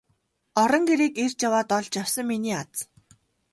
Орон гэрийг эрж яваад олж явсан миний аз.